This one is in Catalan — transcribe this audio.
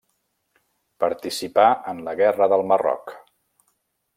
Participà en la Guerra del Marroc.